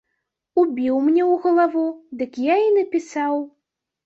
Убіў мне ў галаву, дык я і напісаў.